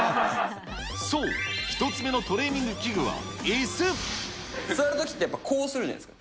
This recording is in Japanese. そう、１つ目のトレーニング座るときってやっぱりこうするじゃないですか。